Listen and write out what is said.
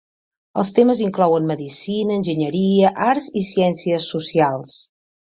Els temes inclouen medicina, enginyeria, arts i ciències socials.